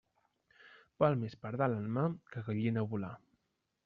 Val més pardal en mà que gallina volar.